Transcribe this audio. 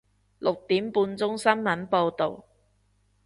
六點半鐘新聞報道